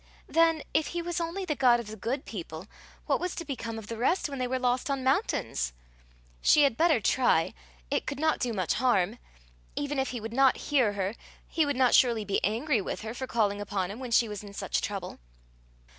Then, if he was only the God of the good people, what was to become of the rest when they were lost on mountains? She had better try; it could not do much harm. Even if he would not hear her, he would not surely be angry with her for calling upon him when she was in such trouble.